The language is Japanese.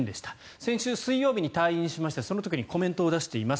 先週水曜日に退院しましてその時にコメントを出しています。